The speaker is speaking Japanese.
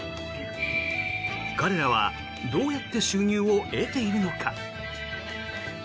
彼らはどうやって収入を得ているのか。